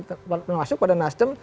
termasuk pada nasdem